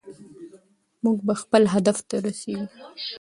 موږ به خپل هدف ته رسیږو.